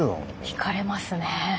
ひかれますね。